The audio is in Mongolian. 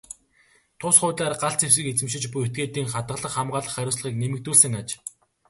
Тус хуулиар галт зэвсэг эзэмшиж буй этгээдийн хадгалах, хамгаалах хариуцлагыг нэмэгдүүлсэн аж.